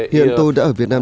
hiện tôi đã ở việt nam